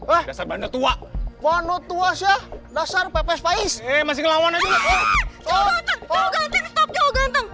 bipodonesia dasar banduk tua ponotuas ya dasar pepe spais misalnya apu apu